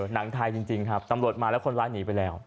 หนังไทยจริงครับตำรวจมาแล้วคนร้ายหนีไปแล้ว